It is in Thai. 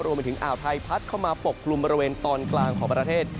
อ่าวไทยพัดเข้ามาปกกลุ่มบริเวณตอนกลางของประเทศ